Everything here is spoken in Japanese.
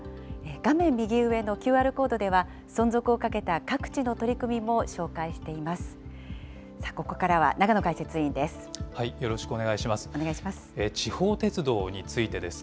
画面右上のＱＲコードでは、存続をかけた各地の取り組みも紹介しています。